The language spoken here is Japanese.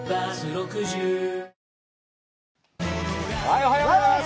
おはようございます。